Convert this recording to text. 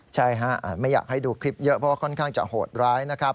ใช่ไม่อยากให้ดูคลิปเยอะเพราะค่อนข้างจะโหดร้าย